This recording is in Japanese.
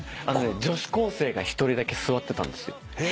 女子高生が１人だけ座ってたんですよ。